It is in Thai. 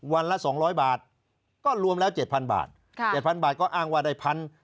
วันละ๒๐๐บาทก็รวมแล้ว๗๐๐๐บาท๗๐๐๐บาทก็อ้างว่าได้๑๑๐๐